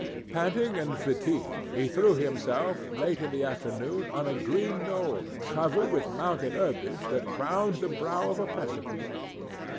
Panting and fatigued, he threw himself, late in the afternoon, on a green knoll, covered with mountain herbage, that crowned the brow of a precipice.